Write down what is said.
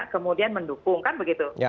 kemudian mendukung kan begitu